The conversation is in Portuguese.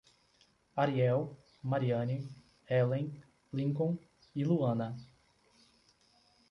Ariel, Mariane, Helen, Lincon e Luana